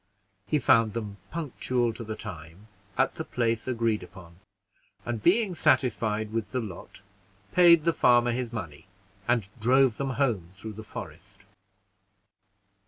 He found them punctual to the time, at the place agreed upon; and being satisfied with the lot, paid the farmer his money, and drove them home through the forest.